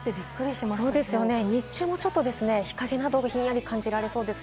日中も日陰など、ひんやり感じられそうです。